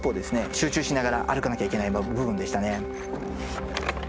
集中しながら歩かなきゃいけない部分でしたね。